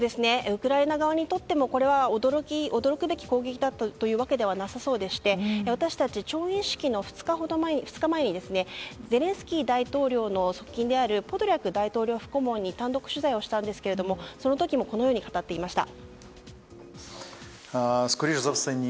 ウクライナ側にとってもこれは驚くべき攻撃だったというわけではなさそうでして私たち、調印式の２日前にゼレンスキー大統領の側近であるポドリャク大統領府顧問に単独取材をしたんですがその時もこのように語っていました。